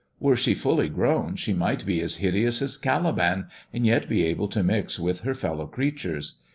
Were she fully grown she might be as hideous as Caliban, and yet be able to mix with her fellow creatures.